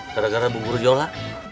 gara gara bu yola